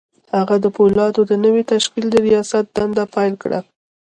هغه د پولادو د نوي تشکيل د رياست دنده پيل کړه.